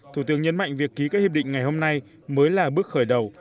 thủ tướng nhấn mạnh việc ký các hiệp định ngày hôm nay mới là bước khởi đầu